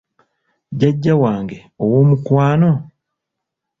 Jjajja wange owoomukwano?